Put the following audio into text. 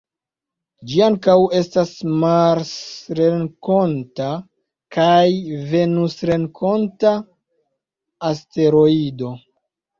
Ĝi ankaŭ estas marsrenkonta kaj venusrenkonta asteroido.